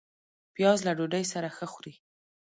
پیاز له ډوډۍ سره ښه خوري